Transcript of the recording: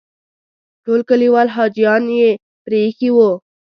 ټول کلیوال حاجیان یې پرې ایښي وو.